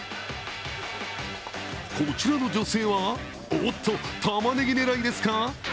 こちらの女性は、おっとタマネギ狙いですか？